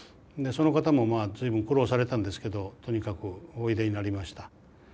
その方も随分苦労されたんですけどとにかくおいでになりました。